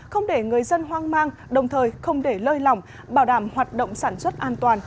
không để người dân hoang mang đồng thời không để lơi lỏng bảo đảm hoạt động sản xuất an toàn